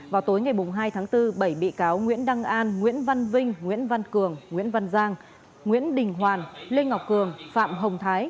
vào tối ngày hai tháng bốn bảy bị cáo nguyễn đăng an nguyễn văn vinh nguyễn văn cường nguyễn văn giang nguyễn đình hoàn lê ngọc cường phạm hồng thái